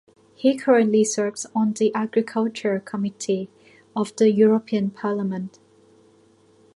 He currently serves on the Agriculture Committee of the European parliament.